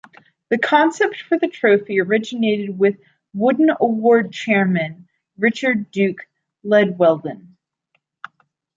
The concept for the trophy originated with Wooden Award Chairman, Richard "Duke" Llewellyn.